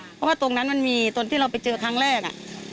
เพราะว่าตรงนั้นมันมีตอนที่เราไปเจอครั้งแรก